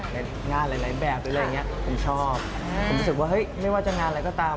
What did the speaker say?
ในงานหลายแบบหรืออะไรอย่างเงี้ยผมชอบผมรู้สึกว่าเฮ้ยไม่ว่าจะงานอะไรก็ตาม